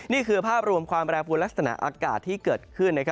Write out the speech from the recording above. นี่คือภาพรวมความแรงฟูลและสถานะอากาศที่เกิดขึ้น